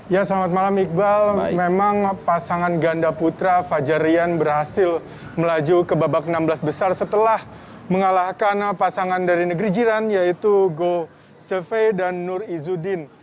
ya selamat malam iqbal memang pasangan ganda putra fajarian berhasil melaju ke babak enam belas besar setelah mengalahkan pasangan dari negeri jiran yaitu go seve dan nur izudin